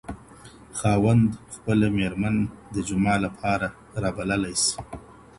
خاوند خپله ميرمن د جماع لپاره رابللای سي.